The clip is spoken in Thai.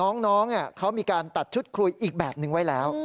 น้องเขามีการตัดชุดคุยอีกแบบนึงไว้แล้ว